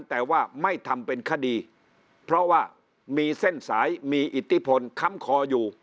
แต่ว่าไม่ทำเป็นคดีเพราะว่ามีเส้นสายมีอิทธิพลค้ำคออยู่